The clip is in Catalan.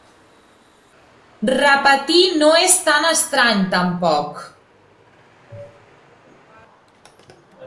Repetir no és tan estrany, tampoc.